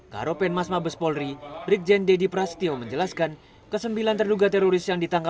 karopen mas mabes polri rikjen deddy prastio menjelaskan